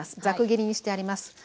ざく切りにしてあります。